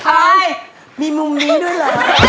อายมีมุมนี้ด้วยเหรอ